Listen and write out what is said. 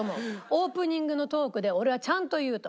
「オープニングのトークで俺はちゃんと言う」と。